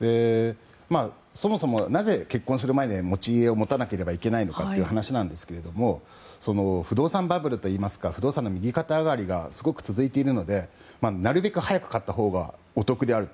そもそも、なぜ結婚する前に家を持たなければいけないのかという話ですが不動産バブルといいますか不動産の右肩上がりがすごく続いているのでなるべく早く買ったほうがお得である。